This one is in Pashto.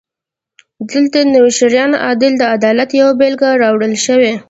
دلته د نوشیروان عادل د عدالت یوه بېلګه راوړل شوې.